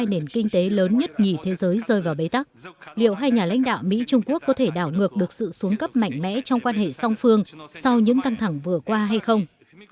nền kinh tế lớn nhất nhỉ thế giới rơi vào bế tắc liệu hai nhà lãnh đạo mỹ trung quốc có thể đảo ngược được sự xuống cấp mạnh mẽ trong quan hệ song phương sau những căng thẳng vừa qua hay không